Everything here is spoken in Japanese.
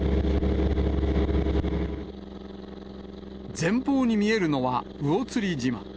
前方に見えるのは魚釣島。